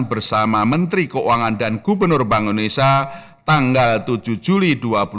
bersama menteri keuangan dan gubernur bank indonesia tanggal tujuh juli dua ribu dua puluh